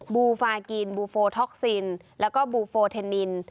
บูฟากินบูโฟท็อกซินแล้วก็บูโฟเทนนิน